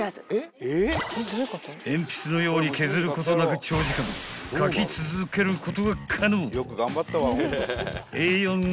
［鉛筆のように削ることなく長時間書き続けることが可能］